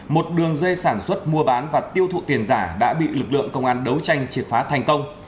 một đường dây sản xuất mua bán và tiêu thụ tiền giả đã bị lực lượng công an đấu tranh triệt phá thành công